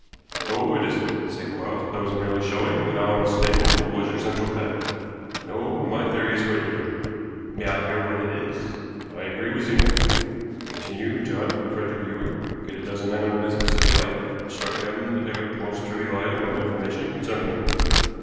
"No, it isn't," said Quarles. "I was merely showing how unstable was your central fact. No, my theory is quite different." "May I hear what it is?" "I agree with Zena. Continue to hunt for Frederick Ewing. Get a dozen men on to the business, if you like. Instruct them to pick up the most trivial items of information concerning him.